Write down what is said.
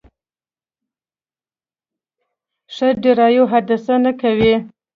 ښه ډرایور حادثه نه کوي.